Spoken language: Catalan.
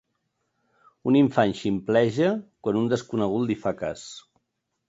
Un infant ximpleja quan un desconegut li fa cas.